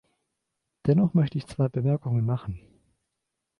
Dennoch möchte ich zwei Bemerkungen machen.